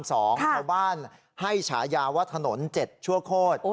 ชาวบ้านให้ฉายาว่าถนน๗ชั่วโคตร